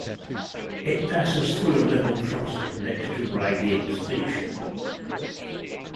It passes through a level crossing next to Reigate station.